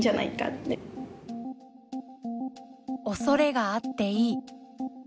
恐れがあっていい。